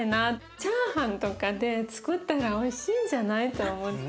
チャーハンとかでつくったらおいしいんじゃないと思って。